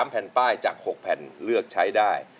แผ่นป้ายจาก๖แผ่นเลือกใช้ได้